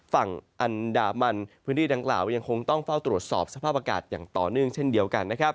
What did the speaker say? ฝั่งอันดามันพื้นที่ดังกล่าวยังคงต้องเฝ้าตรวจสอบสภาพอากาศอย่างต่อเนื่องเช่นเดียวกันนะครับ